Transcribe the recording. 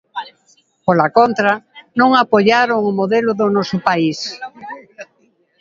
Pola contra, non apoiaron o modelo do noso país.